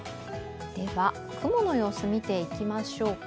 雲の様子、見ていきましょうか。